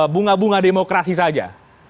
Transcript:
bunga bunga demokrasi saja